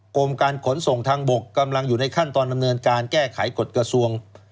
กรมการขนส่งทางบกกำลังอยู่ในขั้นตอนดำเนินการแก้ไขกฎกระทรวง